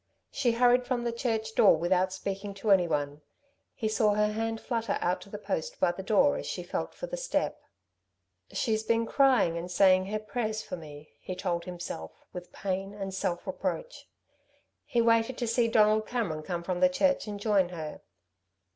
She hurried from the church door without speaking to anyone. He saw her hand flutter out to the post by the door as she felt for the step. "She's been crying and saying her prayers for me," he told himself with pain and self reproach. He waited to see Donald Cameron come from the church and join her.